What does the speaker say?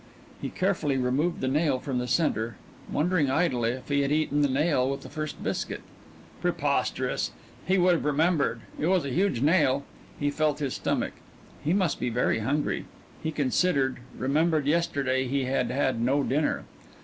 He carefully removed the nail from the centre, wondering idly if he had eaten the nail with the first biscuit. Preposterous! He would have remembered it was a huge nail. He felt his stomach. He must be very hungry. He considered remembered yesterday he had had no dinner.